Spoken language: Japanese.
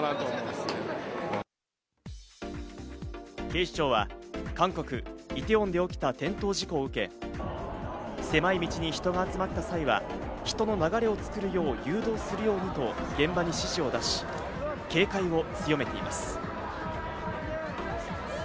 警視庁は韓国・イテウォンで起きた転倒事故を受け、狭い道に人が集まった際は人の流れを作るよう誘導するようにと現場に指示を出し、警戒を強めています。